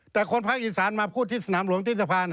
แต่คนภาคอีสานมาพูดที่สนามหลวงที่สะพาน